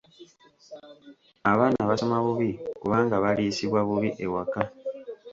Abaana basoma bubi kubanga baliisibwa bubi ewaka.